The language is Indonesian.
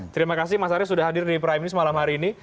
terima kasih mas arief sudah hadir di prime news malam hari ini